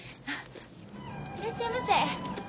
いらっしゃいませ。